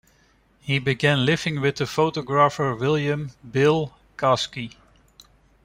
He began living with the photographer William "Bill" Caskey.